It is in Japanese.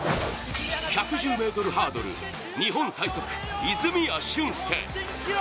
１１０ｍハードル日本最速、泉谷駿介。